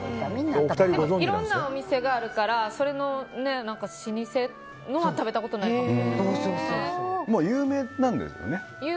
いろんなお店があるからそれの老舗のは食べたことないかもしれない。